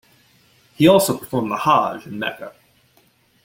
He also performed the Hajj in Mecca.